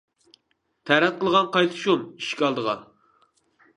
تەرەت قىلغان قايسى شۇم ئىشىك ئالدىغا.